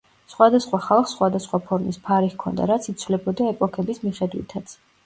სხვადასხვა ხალხს სხვადასხვა ფორმის ფარი ჰქონდა, რაც იცვლებოდა ეპოქების მიხედვითაც.